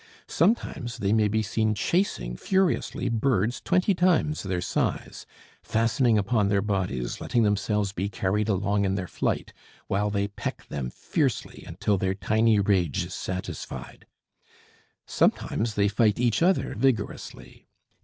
Sometimes they may be seen chasing furiously birds twenty times their size, fastening upon their bodies, letting themselves be carried along in their flight, while they peck them fiercely until their tiny rage is satisfied. Sometimes they fight each other vigorously.